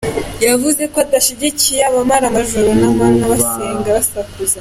Yavuze ko adashyigikiye abamara amajoro n’ amanywa basenga basakuza.